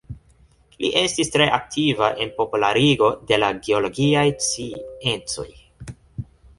Li estis tre aktiva en popularigo de la geologiaj sciencoj.